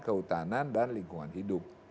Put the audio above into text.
kehutanan dan lingkungan hidup